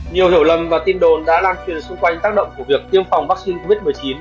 nhiều hiểu lầm và tin đồn đã lan truyền xung quanh tác động của việc tiêm phòng vaccine covid một mươi chín